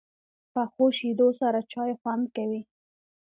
پخو شیدو سره چای خوند کوي